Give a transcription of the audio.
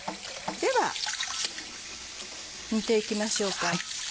では煮ていきましょうか。